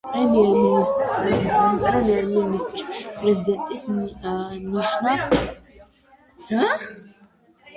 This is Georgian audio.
პრემიერ-მინისტრს პრეზიდენტის ნიშნავს და პარლამენტის ამტკიცებს.